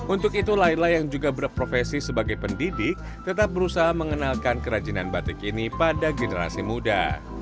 untuk itu laila yang juga berprofesi sebagai pendidik tetap berusaha mengenalkan kerajinan batik ini pada generasi muda